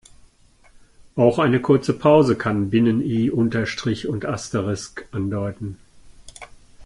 Auch eine kurze Pause kann Binnen-I, Unterstrich und Asterisk andeuten.